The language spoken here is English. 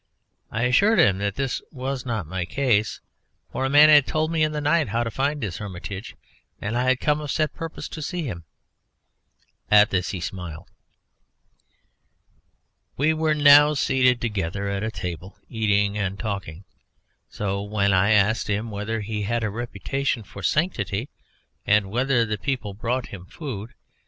I assured him that this was not my case, for a man had told me in the night how to find his hermitage and I had come of set purpose to see him. At this he smiled. We were now seated together at table eating and talking so, when I asked him whether he had a reputation for sanctity and whether the people brought him food.